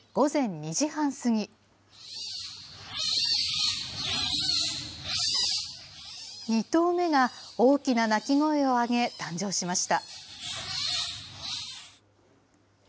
２頭目が大きな鳴き声を上げ、誕生しました。